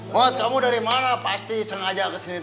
buat kamu dari mana pasti sengaja kesini